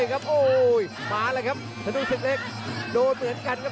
กระโดยสิ้งเล็กนี่ออกกันขาสันเหมือนกันครับ